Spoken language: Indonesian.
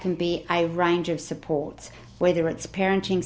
dan itu bisa menjadi sebuah rangkaian penyempatan